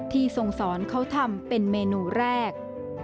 ทรงสอนเขาทำเป็นเมนูแรก